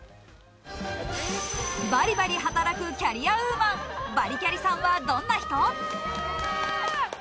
バリバリ働くキャリアウーマン、バリキャリさんはどんな人？